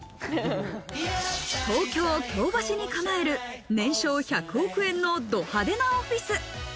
東京・京橋に構える年商１００億円のど派手なオフィス。